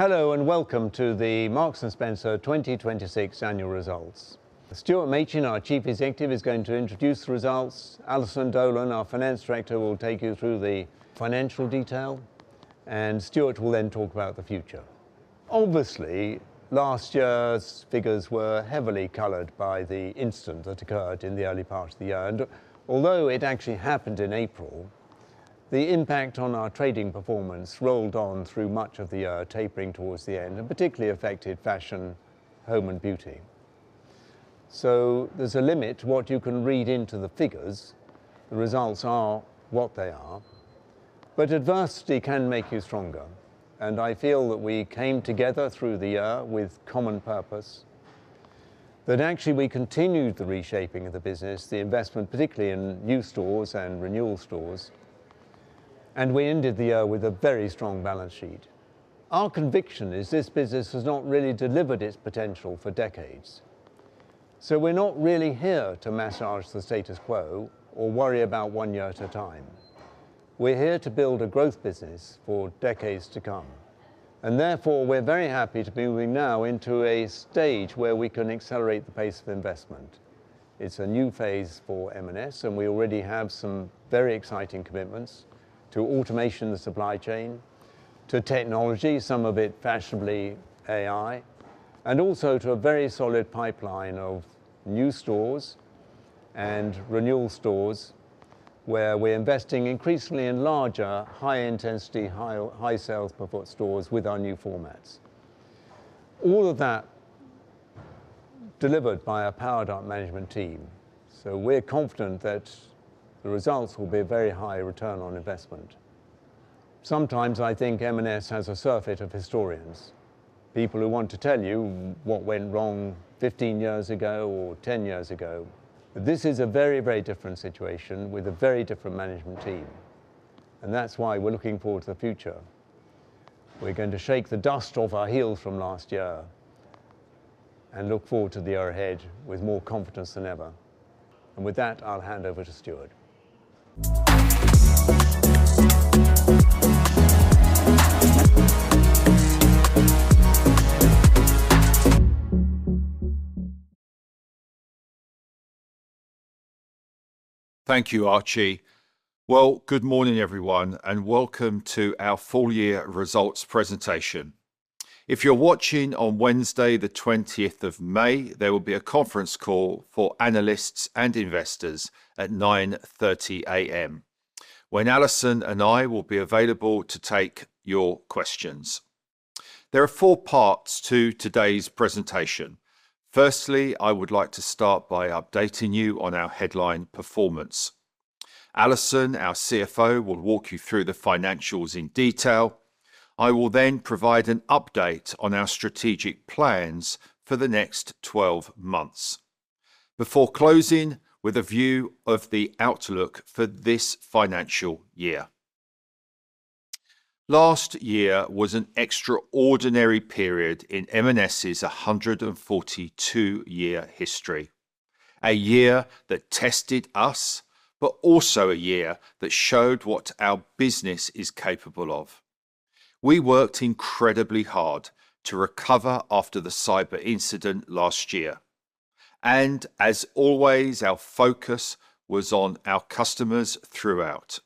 Hello and welcome to the Marks & Spencer 2026 annual results. Stuart Machin, our Chief Executive Officer, is going to introduce the results. Alison Dolan, our Chief Financial Officer, will take you through the financial detail, and Stuart will then talk about the future. Obviously, last year's figures were heavily colored by the incident that occurred in the early part of the year. Although it actually happened in April, the impact on our trading performance rolled on through much of the year, tapering towards the end, and particularly affected fashion, home, and beauty. There's a limit to what you can read into the figures. The results are what they are. Adversity can make you stronger, and I feel that we came together through the year with common purpose, that actually we continued the reshaping of the business, the investment, particularly in new stores and renewal stores, and we ended the year with a very strong balance sheet. Our conviction is this business has not really delivered its potential for decades. We're not really here to massage the status quo or worry about one year at a time. We're here to build a growth business for decades to come, and therefore, we're very happy to be moving now into a stage where we can accelerate the pace of investment. It's a new phase for M&S. We already have some very exciting commitments to automation the supply chain, to technology, some of it fashionably AI, and also to a very solid pipeline of new stores and renewal stores where we're investing increasingly in larger, high-intensity, high sales per foot stores with our new formats. All of that delivered by a powered-up management team. We're confident that the results will be a very high return on investment. Sometimes I think M&S has a surfeit of historians, people who want to tell you what went wrong 15 years ago or 10 years ago. This is a very different situation with a very different management team. That's why we're looking forward to the future. We're going to shake the dust off our heels from last year and look forward to the year ahead with more confidence than ever. With that, I'll hand over to Stuart. Thank you, Archie. Well, good morning, everyone, welcome to our full year results presentation. If you're watching on Wednesday the 20th of May, there will be a conference call for analysts and investors at 9:30 A.M., when Alison and I will be available to take your questions. There are four parts to today's presentation. Firstly, I would like to start by updating you on our headline performance. Alison, our CFO, will walk you through the financials in detail. I will provide an update on our strategic plans for the next 12 months before closing with a view of the outlook for this financial year. Last year was an extraordinary period in M&S's 142-year history, a year that tested us, but also a year that showed what our business is capable of. We worked incredibly hard to recover after the cyber incident last year. As always, our focus was on our customers throughout.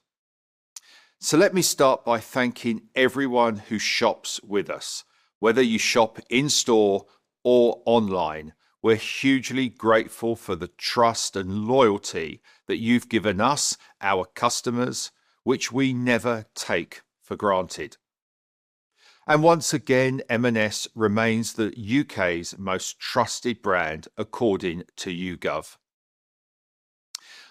Let me start by thanking everyone who shops with us. Whether you shop in store or online, we're hugely grateful for the trust and loyalty that you've given us, our customers, which we never take for granted. Once again, M&S remains the U.K.'s most trusted brand according to YouGov.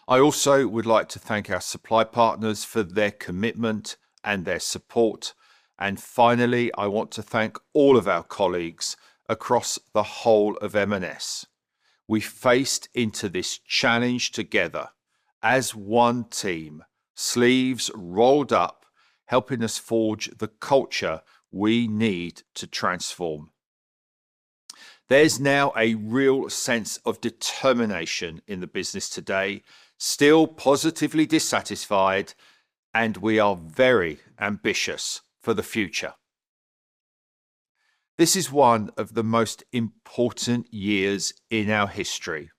I also would like to thank our supply partners for their commitment and their support, and finally, I want to thank all of our colleagues across the whole of M&S. We faced into this challenge together as one team, sleeves rolled up, helping us forge the culture we need to transform. There's now a real sense of determination in the business today, still positively dissatisfied, and we are very ambitious for the future. This is one of the most important years in our history,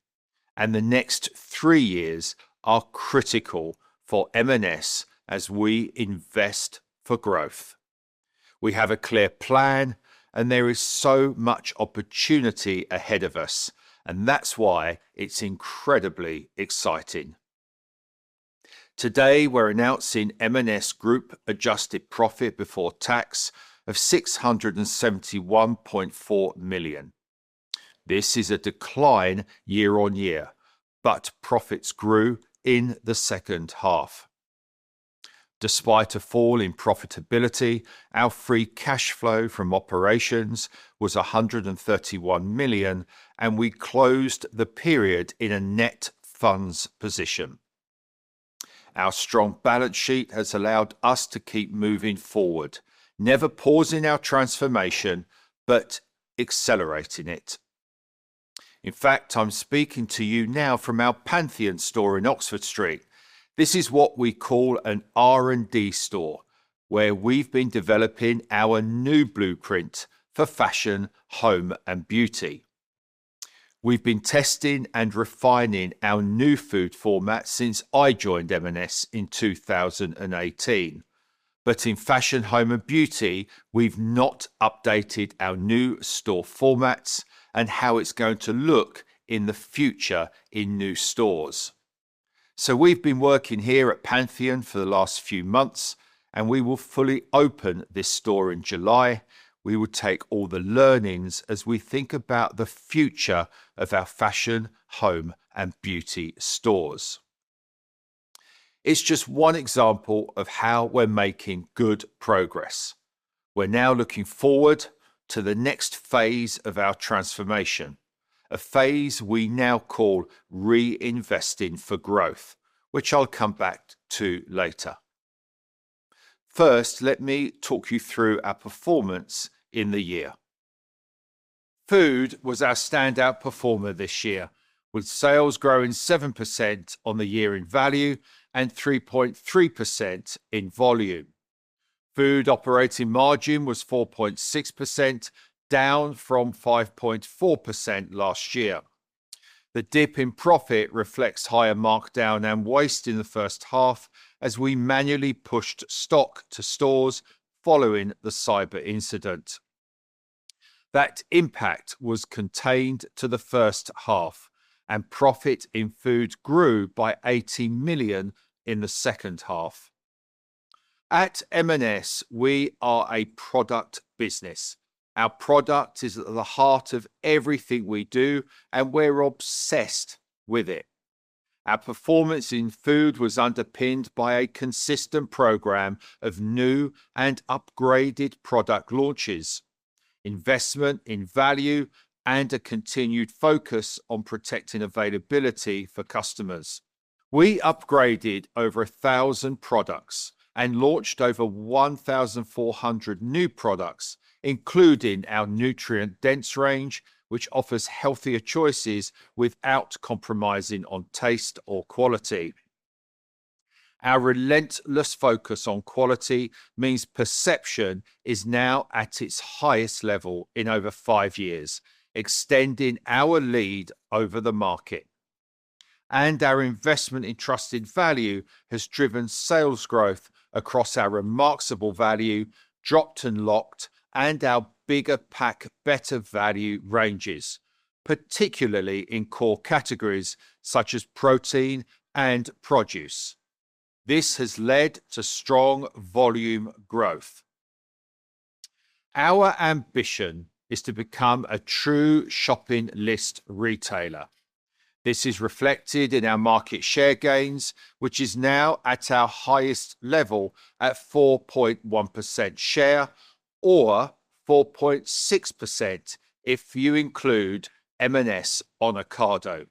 and the next three years are critical for M&S as we invest for growth. We have a clear plan, and there is so much opportunity ahead of us, and that's why it's incredibly exciting. Today, we're announcing M&S Group adjusted profit before tax of 671.4 million. This is a decline year on year, but profits grew in the second half. Despite a fall in profitability, our free cash flow from operations was 131 million, and we closed the period in a net funds position. Our strong balance sheet has allowed us to keep moving forward, never pausing our transformation, but accelerating it. In fact, I'm speaking to you now from our Pantheon store in Oxford Street. This is what we call an R&D store, where we've been developing our new blueprint for fashion, home, and beauty. We've been testing and refining our new food format since I joined M&S in 2018. In fashion, home, and beauty, we've not updated our new store formats and how it's going to look in the future in new stores. We've been working here at Pantheon for the last few months, and we will fully open this store in July. We will take all the learnings as we think about the future of our fashion, home, and beauty stores. It's just one example of how we're making good progress. We're now looking forward to the next phase of our transformation, a phase we now call Reinvesting for Growth, which I'll come back to later. Let me talk you through our performance in the year. Food was our standout performer this year, with sales growing 7% on the year in value and 3.3% in volume. Food operating margin was 4.6%, down from 5.4% last year. The dip in profit reflects higher markdown and waste in the first half as we manually pushed stock to stores following the cyber incident. That impact was contained to the first half, and profit in food grew by 80 million in the second half. At M&S, we are a product business. Our product is at the heart of everything we do, and we're obsessed with it. Our performance in food was underpinned by a consistent program of new and upgraded product launches, investment in value, and a continued focus on protecting availability for customers. We upgraded over 1,000 products and launched over 1,400 new products, including our nutrient-dense range, which offers healthier choices without compromising on taste or quality. Our relentless focus on quality means perception is now at its highest level in over five years, extending our lead over the market. Our investment in trusted value has driven sales growth across our Remarksable Value, Dropped & Locked, and our Bigger Pack, Better Value ranges, particularly in core categories such as protein and produce. This has led to strong volume growth. Our ambition is to become a true shopping list retailer. This is reflected in our market share gains, which is now at our highest level at 4.1% share or 4.6% if you include M&S on Ocado.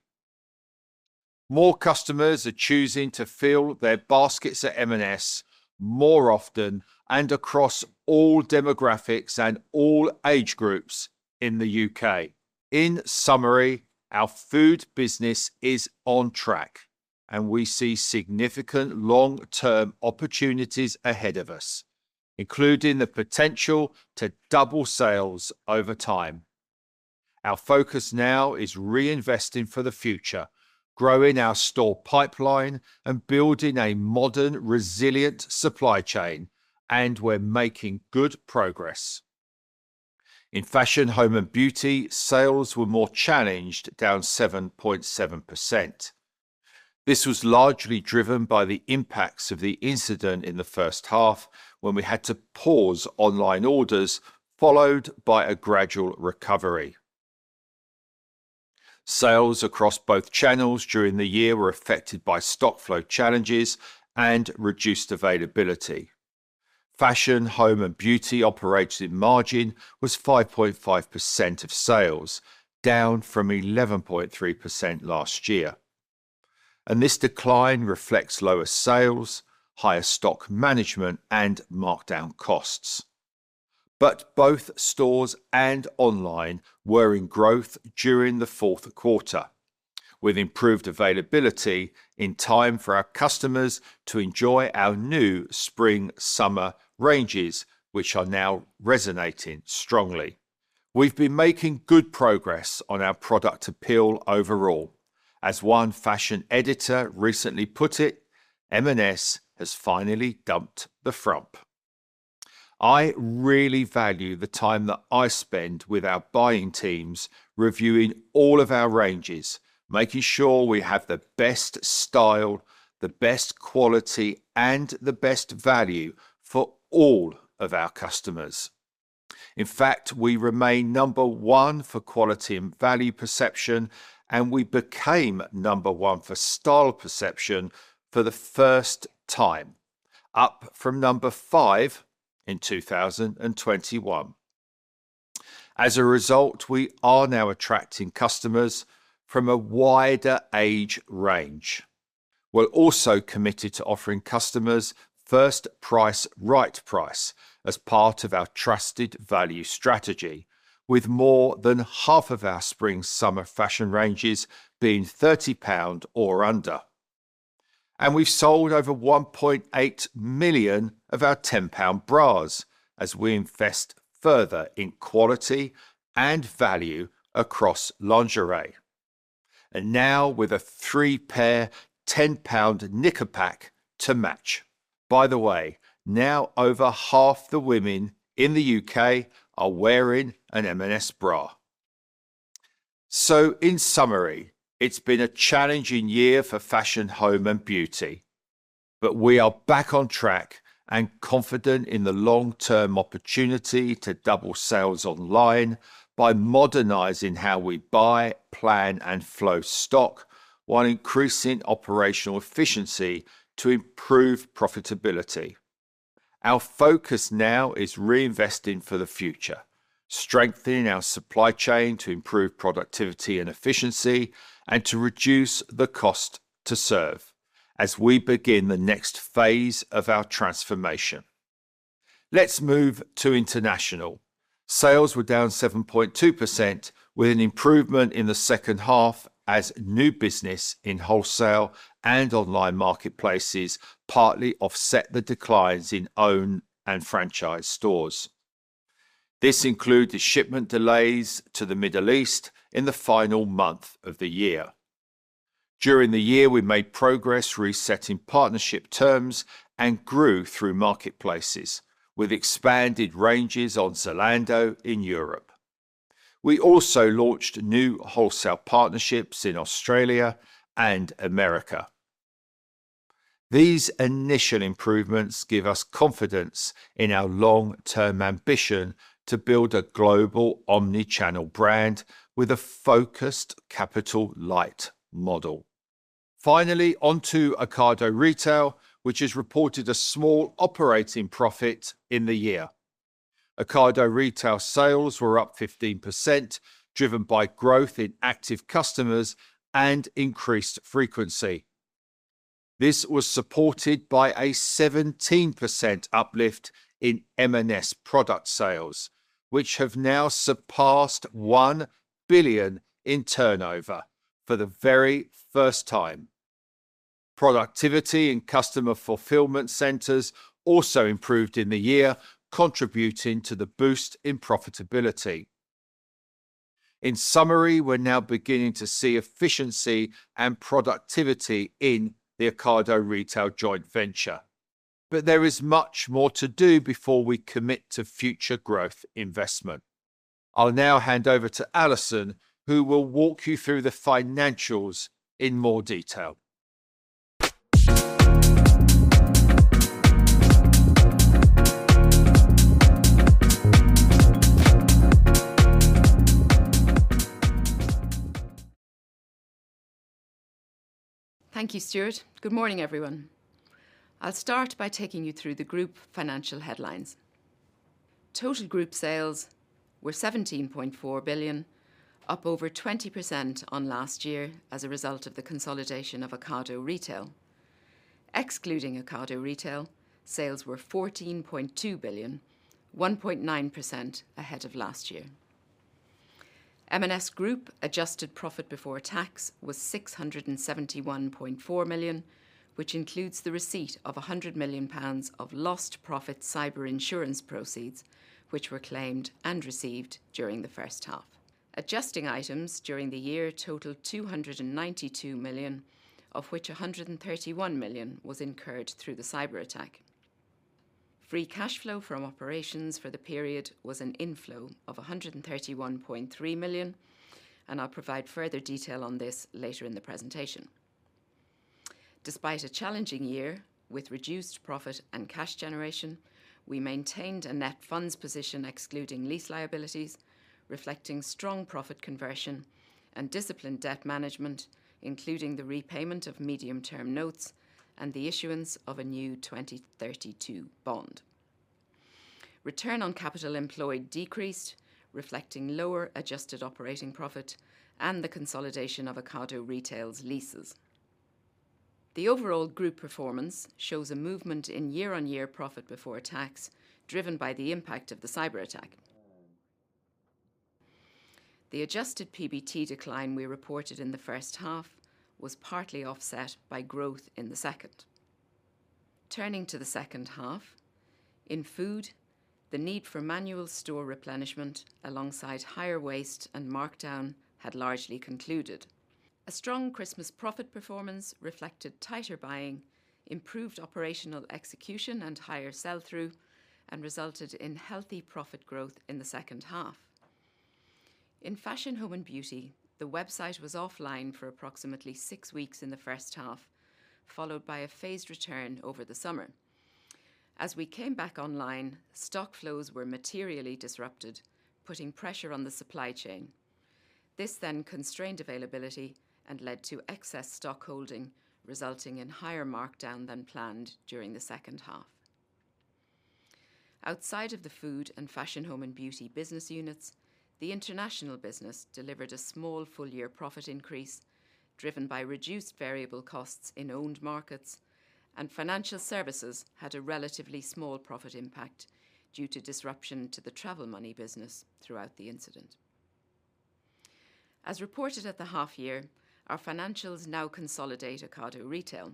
More customers are choosing to fill their baskets at M&S more often and across all demographics and all age groups in the U.K. In summary, our food business is on track and we see significant long-term opportunities ahead of us, including the potential to double sales over time. Our focus now is reinvesting for the future, growing our store pipeline and building a modern, resilient supply chain, and we're making good progress. In fashion, home and beauty, sales were more challenged, down 7.7%. This was largely driven by the impacts of the incident in the first half when we had to pause online orders, followed by a gradual recovery. Sales across both channels during the year were affected by stock flow challenges and reduced availability. Fashion, home and beauty operating margin was 5.5% of sales, down from 11.3% last year. This decline reflects lower sales, higher stock management and markdown costs. Both stores and online were in growth during the fourth quarter, with improved availability in time for our customers to enjoy our new spring-summer ranges, which are now resonating strongly. We've been making good progress on our product appeal overall. As one fashion editor recently put it, M&S has finally dumped the frump. I really value the time that I spend with our buying teams reviewing all of our ranges, making sure we have the best style, the best quality and the best value for all of our customers. In fact, we remain number one for quality and value perception. We became number one for style perception for the first time, up from number five in 2021. As a result, we are now attracting customers from a wider age range. We're also committed to offering customers first price, right price as part of our trusted value strategy, with more than half of our spring/summer fashion ranges being 30 pound or under. We've sold over 1.8 million of our GBP 10 bras as we invest further in quality and value across lingerie. Now with a three pair 10 pound knicker pack to match. By the way, now over half the women in the U.K. are wearing an M&S bra. In summary, it's been a challenging year for Fashion, Home and Beauty, but we are back on track and confident in the long-term opportunity to double sales online by modernizing how we buy, plan, and flow stock while increasing operational efficiency to improve profitability. Our focus now is reinvesting for the future, strengthening our supply chain to improve productivity and efficiency, and to reduce the cost to serve as we begin the next phase of our transformation. Let's move to International. Sales were down 7.2% with an improvement in the second half as new business in wholesale and online marketplaces partly offset the declines in owned and franchise stores. This include the shipment delays to the Middle East in the final month of the year. During the year, we made progress resetting partnership terms and grew through marketplaces with expanded ranges on Zalando in Europe. We also launched new wholesale partnerships in Australia and America. These initial improvements give us confidence in our long-term ambition to build a global omni-channel brand with a focused capital light model. Finally, onto Ocado Retail, which has reported a small operating profit in the year. Ocado Retail sales were up 15%, driven by growth in active customers and increased frequency. This was supported by a 17% uplift in M&S product sales, which have now surpassed 1 billion in turnover for the very first time. Productivity and customer fulfillment centers also improved in the year, contributing to the boost in profitability. In summary, we're now beginning to see efficiency and productivity in the Ocado Retail joint venture, but there is much more to do before we commit to future growth investment. I'll now hand over to Alison, who will walk you through the financials in more detail. Thank you, Stuart. Good morning, everyone. I'll start by taking you through the group financial headlines. Total group sales were 17.4 billion, up over 20% on last year as a result of the consolidation of Ocado Retail. Excluding Ocado Retail, sales were 14.2 billion, 1.9% ahead of last year. M&S Group adjusted profit before tax was 671.4 million, which includes the receipt of 100 million pounds of lost profit cyber insurance proceeds, which were claimed and received during the first half. Adjusting items during the year totaled 292 million, of which 131 million was incurred through the cyber attack. Free cash flow from operations for the period was an inflow of 131.3 million, and I'll provide further detail on this later in the presentation. Despite a challenging year with reduced profit and cash generation, we maintained a net funds position excluding lease liabilities, reflecting strong profit conversion and disciplined debt management, including the repayment of medium-term notes and the issuance of a new 2032 bond. Return on capital employed decreased, reflecting lower adjusted operating profit and the consolidation of Ocado Retail's leases. The overall group performance shows a movement in year-on-year profit before tax, driven by the impact of the cyber attack. The adjusted PBT decline we reported in the first half was partly offset by growth in the second. Turning to the second half, in Food, the need for manual store replenishment alongside higher waste and markdown had largely concluded. A strong Christmas profit performance reflected tighter buying, improved operational execution and higher sell-through, and resulted in healthy profit growth in the second half. In Fashion, Home and Beauty, the website was offline for approximately six weeks in the first half, followed by a phased return over the summer. We came back online, stock flows were materially disrupted, putting pressure on the supply chain. This constrained availability and led to excess stock holding, resulting in higher markdown than planned during the second half. Outside of the Food and Fashion, Home, and Beauty business units, the international business delivered a small full-year profit increase driven by reduced variable costs in owned markets. Financial services had a relatively small profit impact due to disruption to the travel money business throughout the incident. Reported at the half year, our financials now consolidate Ocado Retail.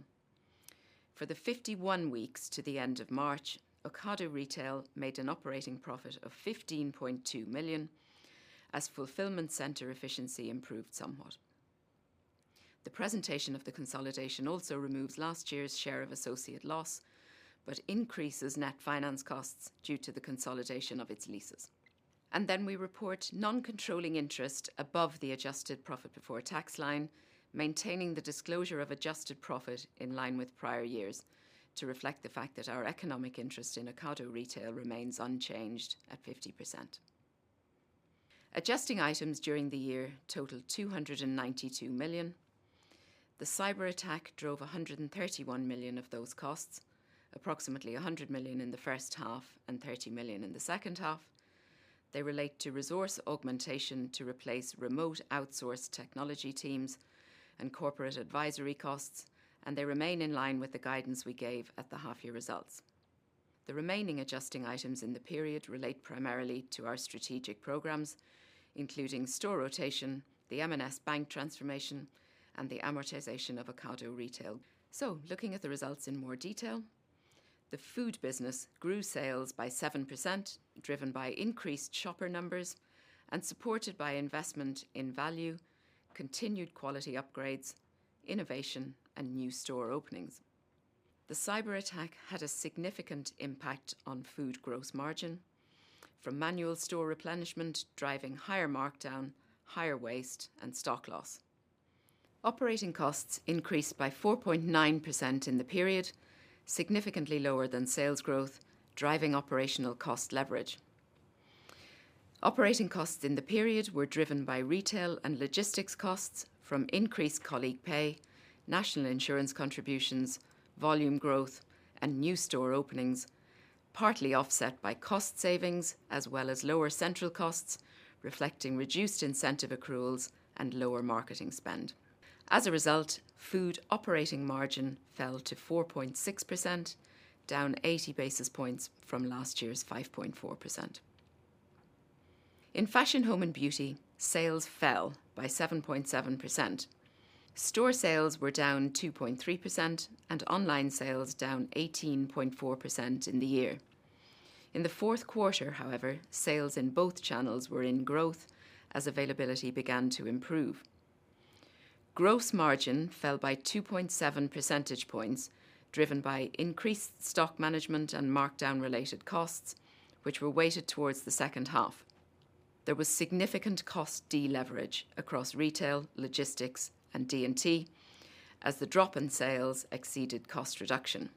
For the 51 weeks to the end of March, Ocado Retail made an operating profit of 15.2 million as fulfillment center efficiency improved somewhat. The presentation of the consolidation also removes last year's share of associate loss, but increases net finance costs due to the consolidation of its leases. We report non-controlling interest above the adjusted profit before tax line, maintaining the disclosure of adjusted profit in line with prior years to reflect the fact that our economic interest in Ocado Retail remains unchanged at 50%. Adjusting items during the year totaled 292 million. The cyber attack drove 131 million of those costs, approximately 100 million in the first half and 30 million in the second half. They relate to resource augmentation to replace remote outsourced technology teams and corporate advisory costs, and they remain in line with the guidance we gave at the half-year results. The remaining adjusting items in the period relate primarily to our strategic programs, including store rotation, the M&S Bank transformation, and the amortization of Ocado Retail. Looking at the results in more detail, the food business grew sales by 7%, driven by increased shopper numbers and supported by investment in value, continued quality upgrades, innovation, and new store openings. The cyber attack had a significant impact on food gross margin from manual store replenishment driving higher markdown, higher waste, and stock loss. Operating costs increased by 4.9% in the period, significantly lower than sales growth, driving operational cost leverage. Operating costs in the period were driven by retail and logistics costs from increased colleague pay, national insurance contributions, volume growth, and new store openings, partly offset by cost savings as well as lower central costs, reflecting reduced incentive accruals and lower marketing spend. Food operating margin fell to 4.6%, down 80 basis points from last year's 5.4%. In fashion, home, and beauty, sales fell by 7.7%. Store sales were down 2.3% and online sales down 18.4% in the year. In the fourth quarter, however, sales in both channels were in growth as availability began to improve. Gross margin fell by 2.7 percentage points driven by increased stock management and markdown related costs, which were weighted towards the second half. There was significant cost deleverage across retail, logistics, and D&T as the drop in sales exceeded cost reduction.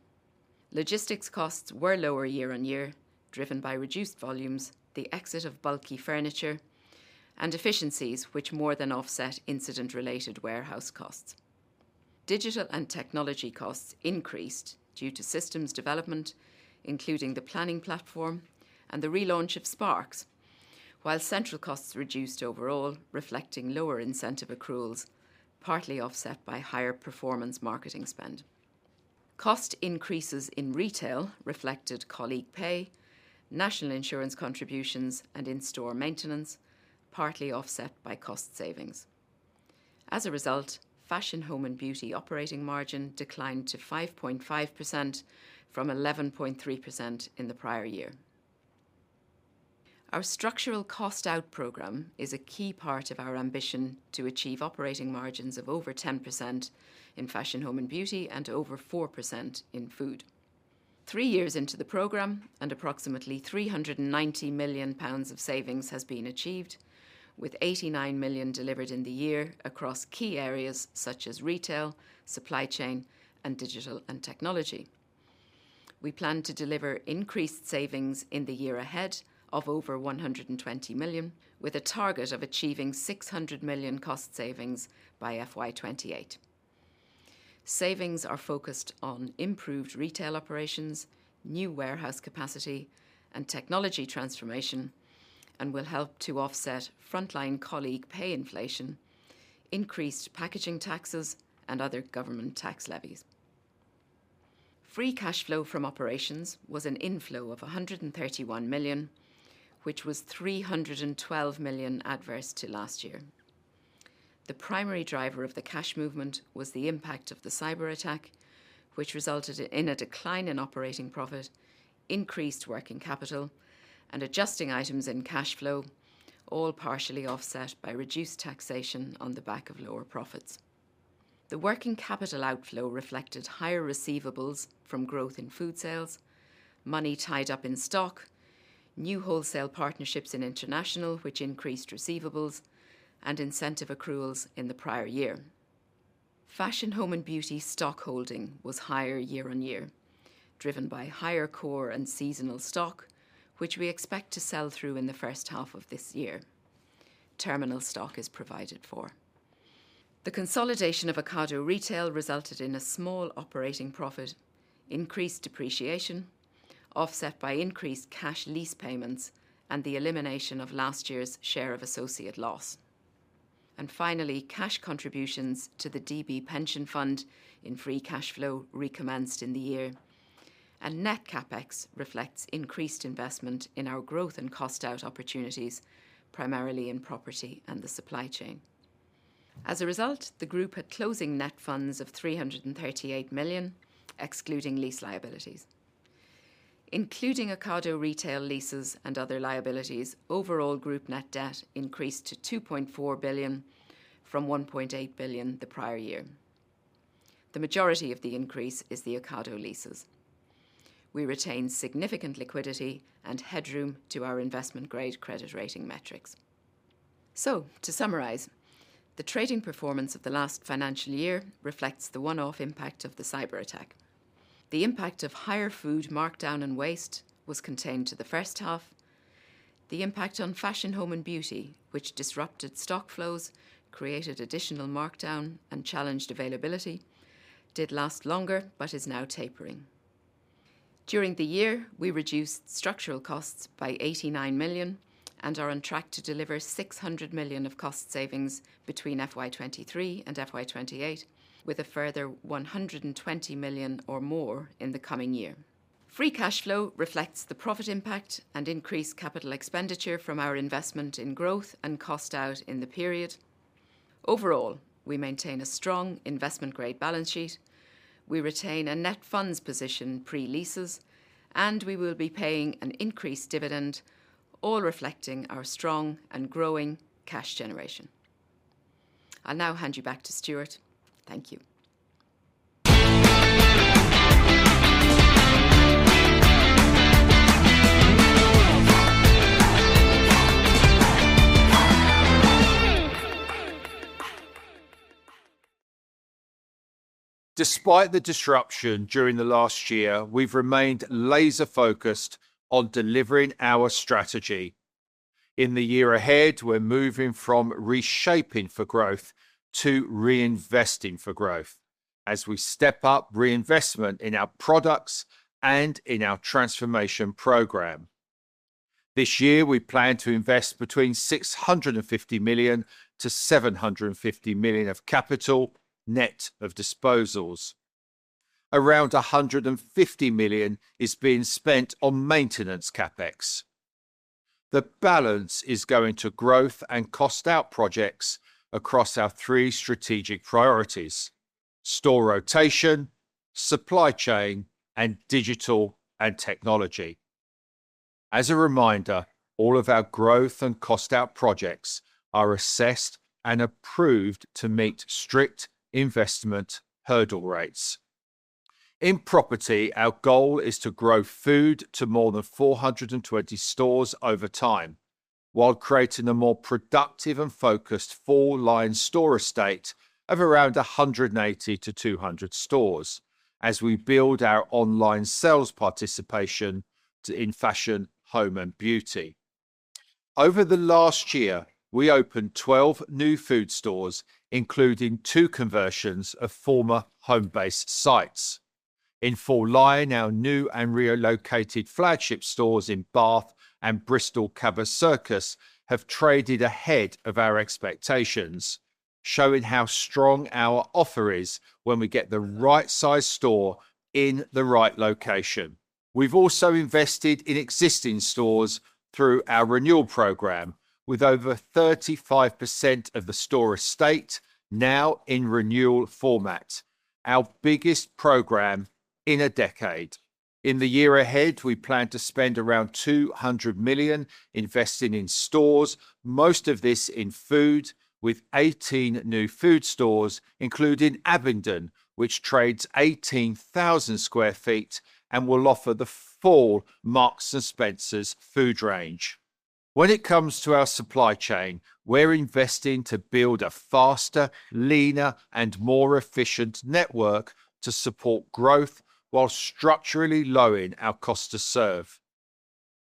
Logistics costs were lower year-on-year, driven by reduced volumes, the exit of bulky furniture, and efficiencies which more than offset incident-related warehouse costs. Digital and technology costs increased due to systems development, including the planning platform and the relaunch of Sparks. While central costs reduced overall, reflecting lower incentive accruals, partly offset by higher performance marketing spend. Cost increases in retail reflected colleague pay, national insurance contributions, and in-store maintenance, partly offset by cost savings. As a result, Fashion, Home, and Beauty operating margin declined to 5.5% from 11.3% in the prior year. Our Structural Cost-Out Program is a key part of our ambition to achieve operating margins of over 10% in Fashion, Home, and Beauty and over 4% in Food. three years into the program and approximately 390 million pounds of savings has been achieved with 89 million delivered in the year across key areas such as retail, supply chain, and digital and technology. We plan to deliver increased savings in the year ahead of over 120 million with a target of achieving 600 million cost savings by FY 2028. Savings are focused on improved retail operations, new warehouse capacity, and technology transformation, and will help to offset frontline colleague pay inflation, increased packaging taxes, and other government tax levies. Free cash flow from operations was an inflow of 131 million, which was 312 million adverse to last year. The primary driver of the cash movement was the impact of the cyber attack, which resulted in a decline in operating profit, increased working capital, and adjusting items in cash flow, all partially offset by reduced taxation on the back of lower profits. The working capital outflow reflected higher receivables from growth in food sales, money tied up in stock, new wholesale partnerships in international, which increased receivables and incentive accruals in the prior year. Fashion, home, and beauty stock holding was higher year-over-year, driven by higher core and seasonal stock, which we expect to sell through in the first half of this year. Terminal stock is provided for. The consolidation of Ocado Retail resulted in a small operating profit, increased depreciation, offset by increased cash lease payments, and the elimination of last year's share of associate loss. Finally, cash contributions to the DB pension fund in free cashflow recommenced in the year. Net CapEx reflects increased investment in our growth and cost out opportunities, primarily in property and the supply chain. As a result, the group had closing net funds of 338 million, excluding lease liabilities. Including Ocado Retail leases and other liabilities, overall group net debt increased to 2.4 billion from 1.8 billion the prior year. The majority of the increase is the Ocado leases. We retain significant liquidity and headroom to our investment-grade credit rating metrics. To summarize, the trading performance of the last financial year reflects the one-off impact of the cyber attack. The impact of higher food markdown and waste was contained to the first half. The impact on fashion, home, and beauty, which disrupted stock flows, created additional markdown, and challenged availability, did last longer, but is now tapering. During the year, we reduced structural costs by 89 million, and are on track to deliver 600 million of cost savings between FY 2023 and FY 2028, with a further 120 million or more in the coming year. Free cashflow reflects the profit impact and increased capital expenditure from our investment in growth and cost out in the period. Overall, we maintain a strong investment-grade balance sheet. We retain a net funds position pre-leases, and we will be paying an increased dividend, all reflecting our strong and growing cash generation. I'll now hand you back to Stuart Machin. Thank you. Despite the disruption during the last year, we've remained laser-focused on delivering our strategy. In the year ahead, we're moving from reshaping for growth to reinvesting for growth as we step up reinvestment in our products and in our transformation program. This year, we plan to invest between 650 million-750 million of capital, net of disposals. Around 150 million is being spent on maintenance CapEx. The balance is going to growth and cost out projects across our three strategic priorities: store rotation, supply chain, and digital and technology. As a reminder, all of our growth and cost out projects are assessed and approved to meet strict investment hurdle rates. In property, our goal is to grow food to more than 420 stores over time, while creating a more productive and focused full-line store estate of around 180-200 stores as we build our online sales participation to, in fashion, home, and beauty. Over the last year, we opened 12 new food stores, including two conversions of former Homebase sites. In full-line, our new and relocated flagship stores in Bath and Bristol Cabot Circus have traded ahead of our expectations, showing how strong our offer is when we get the right size store in the right location. We've also invested in existing stores through our renewal program, with over 35% of the store estate now in renewal format, our biggest program in a decade. In the year ahead, we plan to spend around 200 million investing in stores, most of this in food, with 18 new food stores, including Abingdon, which trades 18,000 sq ft and will offer the full Marks & Spencer food range. When it comes to our supply chain, we're investing to build a faster, leaner, and more efficient network to support growth while structurally lowering our cost to serve.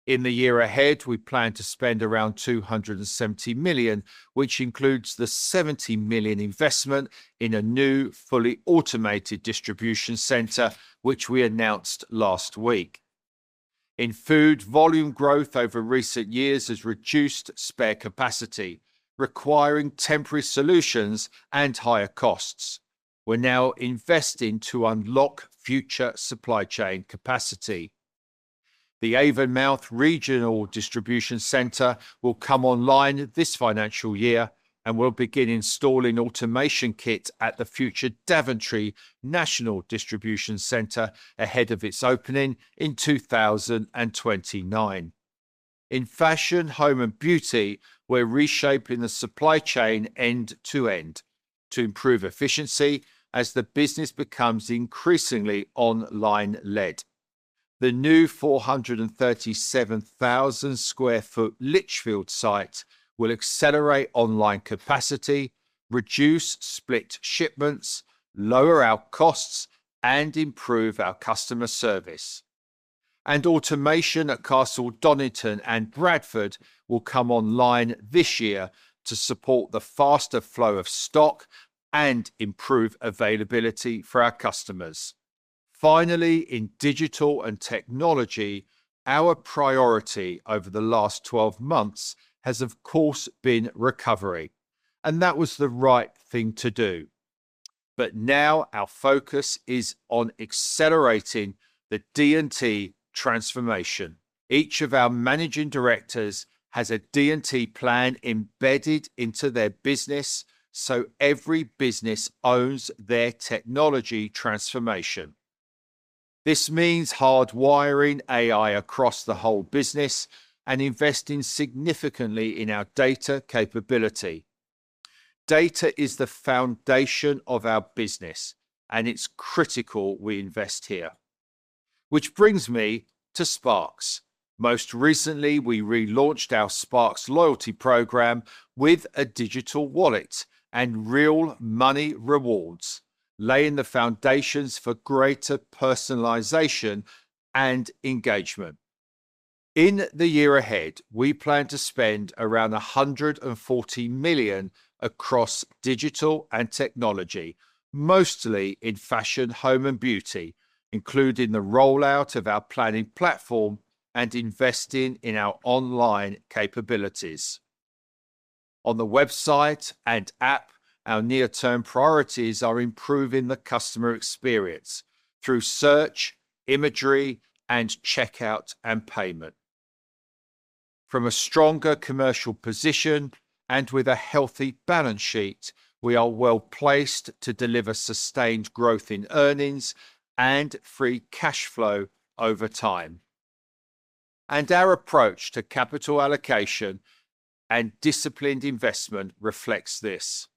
In the year ahead, we plan to spend around 270 million, which includes the 70 million investment in a new fully automated distribution center, which we announced last week. In food, volume growth over recent years has reduced spare capacity, requiring temporary solutions and higher costs. We're now investing to unlock future supply chain capacity. The Avonmouth regional distribution center will come online this financial year. We'll begin installing automation kit at the future Daventry national distribution center ahead of its opening in 2029. In fashion, home, and beauty, we're reshaping the supply chain end to end to improve efficiency as the business becomes increasingly online-led. The new 437,000 sq ft Lichfield site will accelerate online capacity, reduce split shipments, lower our costs, and improve our customer service. Automation at Castle Donington and Bradford will come online this year to support the faster flow of stock and improve availability for our customers. Finally, in digital and technology, our priority over the last 12 months has, of course, been recovery, and that was the right thing to do. Now our focus is on accelerating the D&T transformation. Each of our managing directors has a D&T plan embedded into their business, so every business owns their technology transformation. This means hardwiring AI across the whole business and investing significantly in our data capability. Data is the foundation of our business, and it's critical we invest here, which brings me to Sparks. Most recently, we relaunched our Sparks loyalty program with a digital wallet and real money rewards, laying the foundations for greater personalization and engagement. In the year ahead, we plan to spend around 140 million across digital and technology, mostly in fashion, home, and beauty, including the rollout of our planning platform and investing in our online capabilities. On the website and app, our near-term priorities are improving the customer experience through search, imagery, and checkout and payment. From a stronger commercial position and with a healthy balance sheet, we are well-placed to deliver sustained growth in earnings and free cash flow over time, and our approach to capital allocation and disciplined investment reflects this.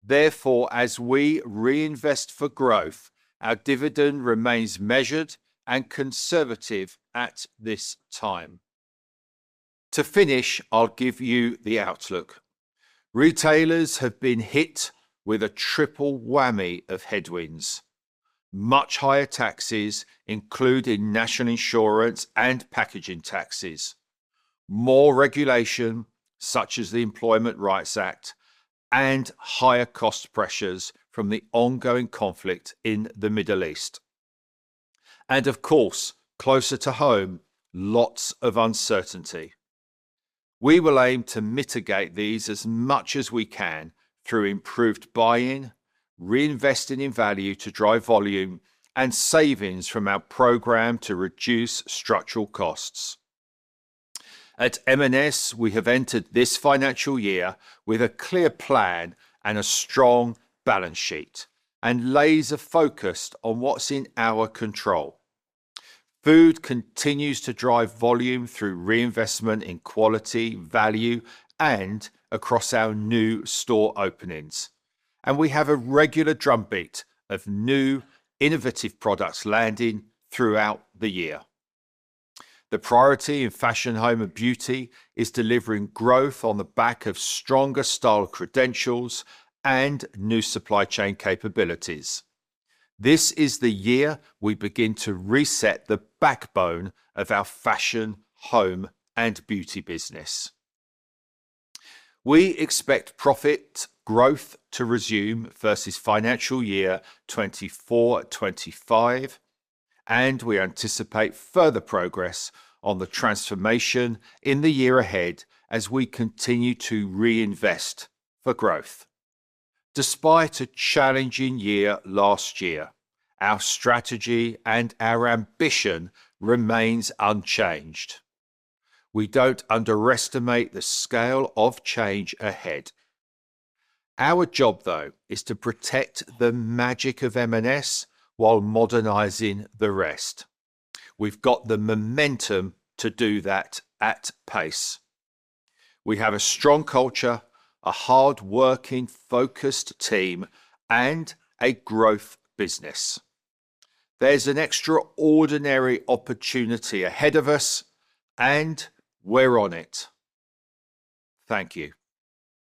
Therefore, as we reinvest for growth, our dividend remains measured and conservative at this time. To finish, I'll give you the outlook. Retailers have been hit with a triple whammy of headwinds, much higher taxes, including national insurance and packaging taxes, more regulation, such as the Employment Rights Act, and higher cost pressures from the ongoing conflict in the Middle East and, of course, closer to home, lots of uncertainty. We will aim to mitigate these as much as we can through improved buying, reinvesting in value to drive volume, and savings from our program to reduce structural costs. At M&S, we have entered this financial year with a clear plan and a strong balance sheet and laser-focused on what's in our control. Food continues to drive volume through reinvestment in quality, value, and across our new store openings. We have a regular drumbeat of new, innovative products landing throughout the year. The priority in fashion, home, and beauty is delivering growth on the back of stronger style credentials and new supply chain capabilities. This is the year we begin to reset the backbone of our fashion, home, and beauty business. We expect profit growth to resume versus financial year 2024, 2025, and we anticipate further progress on the transformation in the year ahead as we continue to reinvest for growth. Despite a challenging year last year, our strategy and our ambition remains unchanged. We don't underestimate the scale of change ahead. Our job, though, is to protect the magic of M&S while modernizing the rest. We've got the momentum to do that at pace. We have a strong culture, a hardworking, focused team, and a growth business. There's an extraordinary opportunity ahead of us, and we're on it. Thank you.